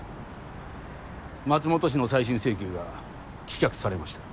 松本氏の再審請求が棄却されました。